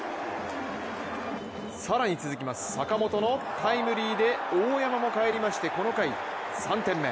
更に続きます、坂本のタイムリーで大山も返りまして、この回３点目。